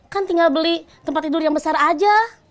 kan tinggal beli tempat tidur yang besar aja